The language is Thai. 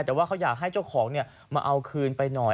แต่ว่าเขาอยากให้เจ้าของมาเอาคืนไปหน่อย